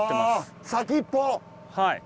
あ先っぽ！